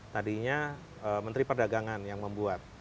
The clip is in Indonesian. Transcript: tadinya menteri perdagangan yang membuat